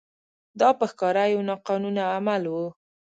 دا په ښکاره یو ناقانونه عمل و.